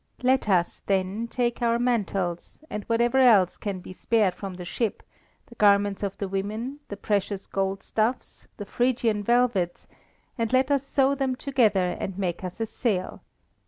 Let us, then, take our mantles, and whatever else can be spared from the ship, the garments of the women, the precious gold stuffs, the Phrygian velvets, and let us sew them together and make us a sail.